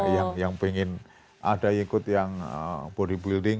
yang pengen ada ikut yang bodybuilding